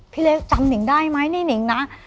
พี่เล็กจำหนึ่งได้มั้ยนี่หนึ่งนะ